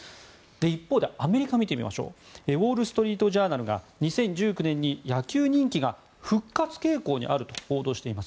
一方で、アメリカ見てみましょうウォール・ストリート・ジャーナルが２０１９年に野球人気が復活傾向にあると報道しています。